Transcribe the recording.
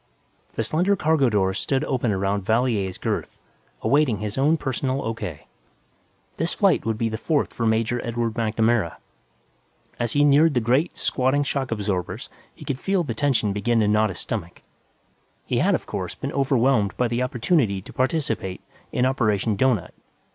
The slender cargo doors stood open around Valier's girth, awaiting his own personal O.K. This flight would be the fourth for Major Edward MacNamara; as he neared the great, squatting shock absorbers he could feel the tension begin to knot his stomach. He had, of course, been overwhelmed by the opportunity to participate in Operation Doughnut.